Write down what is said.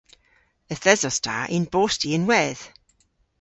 Yth esos ta y'n bosti ynwedh.